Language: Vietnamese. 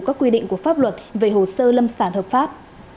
các quy định của pháp luật về hồ sơ lâm sản hợp pháp